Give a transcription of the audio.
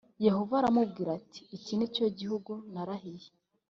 yehova aramubwira ati “iki ni cyo gihugu narahiye